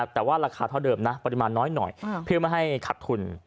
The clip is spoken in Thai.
แต่ว่าราคาเท่าเดิมนะปริมาณน้อยหน่อยเพื่อไม่ให้ขัดทุน